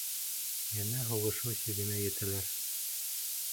Йәнә һуғышыу сигенә етәләр.